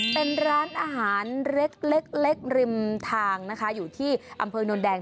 เป็นร้านอาหารเล็กเล็กริมทางนะคะอยู่ที่อำเภอนวลแดง